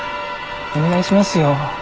お願いしますよ。